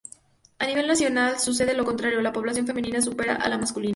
A nivel nacional sucede lo contrario, la población femenina supera a la masculina.